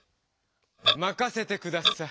まかせて下さい。